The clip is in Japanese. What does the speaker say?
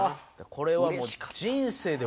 これはもう。